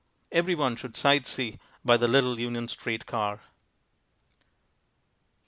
Everyone should sight see by the little Union street car.